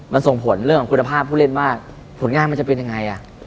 มันส่งผลเรื่องของคุณภาพผู้เล่นว่าผลงานมันจะเป็นยังไง